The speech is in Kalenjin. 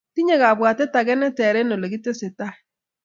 tinyei kabwatet age neter eng olegitesetai